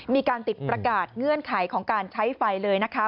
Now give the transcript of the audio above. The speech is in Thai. มีการติดประกาศเงื่อนไขของการใช้ไฟเลยนะคะ